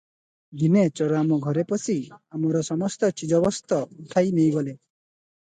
ଦିନେ ଚୋର ଆମ ଘରେ ପଶି ଆମର ସମସ୍ତ ଚିଜବସ୍ତ ଉଠାଇ ଘେନିଗଲେ ।